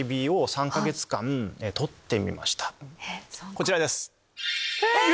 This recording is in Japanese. こちらです。